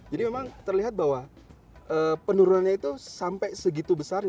jadi memang terlihat bahwa penurunannya itu sampai segitu besar